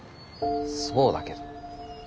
そうだけど。